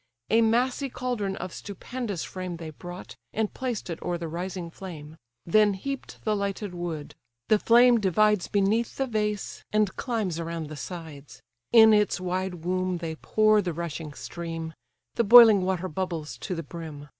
A massy caldron of stupendous frame They brought, and placed it o'er the rising flame: Then heap'd the lighted wood; the flame divides Beneath the vase, and climbs around the sides: In its wide womb they pour the rushing stream; The boiling water bubbles to the brim.